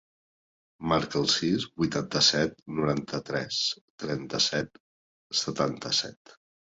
Marca el sis, vuitanta-set, noranta-tres, trenta-set, setanta-set.